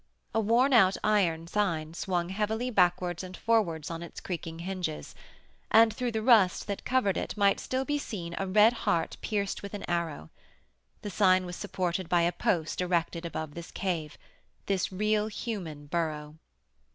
A worn out iron sign swung heavily backwards and forwards on its creaking hinges, and through the rust that covered it might still be seen a red heart pierced with an arrow. The sign was supported by a post erected above this cave, this real human burrow.